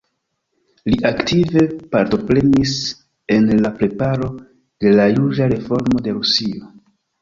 Li aktive partoprenis en la preparo de la juĝa reformo de Rusio.